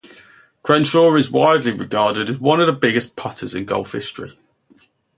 Crenshaw is widely regarded as one of the best putters in golf history.